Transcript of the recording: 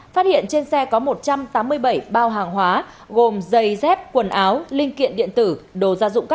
phát hiện trên xe có một trăm tám mươi bảy bao hàng hóa gồm giày dép quần áo linh kiện điện tử đồ gia dụng các